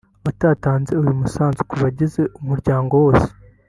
abadatanze uyu musanzu ku bagize umuryango wose